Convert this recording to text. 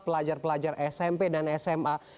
pelajar pelajar smp dan sma